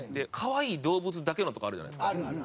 可愛い動物だけのとかあるじゃないですか。